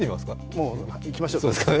もう、いきましょう。